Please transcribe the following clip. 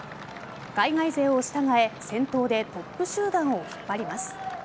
海外勢を従え先頭でトップ集団を引っ張ります。